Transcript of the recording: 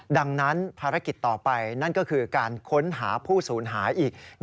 ดังนั้นภารกิจต่อไปนั่นก็คือการค้นหาผู้สูญหายอีก